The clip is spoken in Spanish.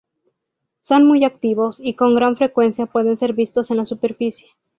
Son muy activos y con gran frecuencia pueden ser vistos en la superficie.